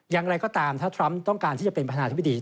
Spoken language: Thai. อย่างไรก็ตามถ้าทรัมป์ต้องการที่จะเป็นประธานาธิบดี